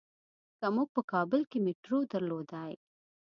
که مونږ په کابل کې میټرو درلودلای.